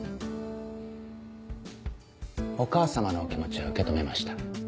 お母様のお気持ちは受け止めました。